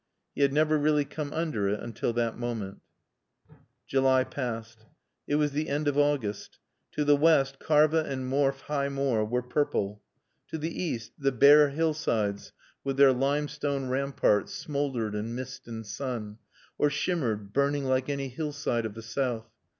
He had never really come under it until that moment. July passed. It was the end of August. To the west Karva and Morfe High Moor were purple. To the east the bare hillsides with their limestone ramparts smouldered in mist and sun, or shimmered, burning like any hillside of the south.